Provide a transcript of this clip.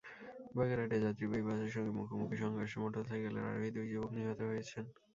বাগেরহাটে যাত্রীবাহী বাসের সঙ্গে মুখোমুখি সংঘর্ষে মোটরসাইকেলের আরোহী দুই যুবক নিহত হয়েছেন।